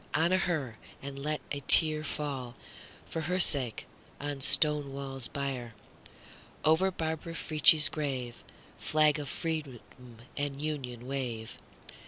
Honor to her! and let a tearFall, for her sake, on Stonewall's bier. Over Barbara Frietchie's grave, Flag of Freedom and Union, wave!